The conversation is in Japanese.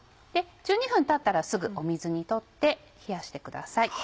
１２分たったらすぐ水にとって冷やしてください。